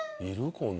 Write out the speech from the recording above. こんなの。